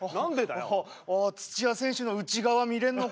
ああ土谷選手の内側見れんのか。